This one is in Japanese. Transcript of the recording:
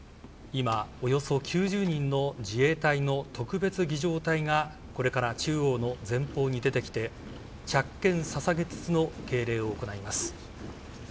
今、およそ９０人の自衛隊の特別儀仗隊がこれから中央の前方に出てきて着剣捧げ銃の敬礼を行います。